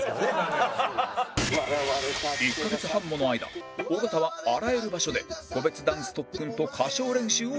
１カ月半もの間尾形はあらゆる場所で個別ダンス特訓と歌唱練習を続けたのだ